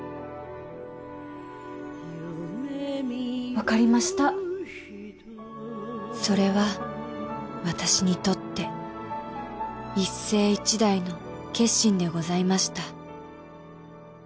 分かりましたそれは私にとって一世一代の決心でございました